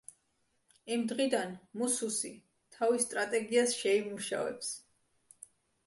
იმ დღიდან მუსუსი თავის სტრატეგიას შეიმუშავებს.